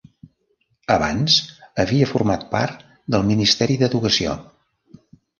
Abans havia format part del Ministeri d'Educació.